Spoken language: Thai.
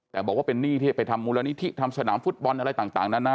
แต่บอกว่าเป็นหนี้ที่ไปทำมูลนิธิทำสนามฟุตบอลอะไรต่างนานา